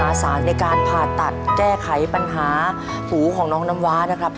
สารในการผ่าตัดแก้ไขปัญหาฝูของน้องน้ำว้านะครับ